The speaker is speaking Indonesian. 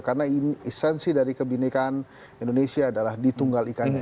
karena ini esensi dari kebinekaan indonesia adalah ditunggal ikannya